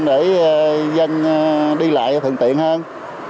để dân đi lại thường tiện hơn